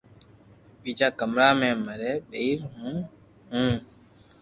ٻيجا ڪمرا مي مري ٻير ھين ھون ھون